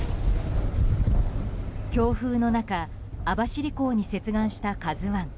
強風の中、網走港に接岸した「ＫＡＺＵ１」。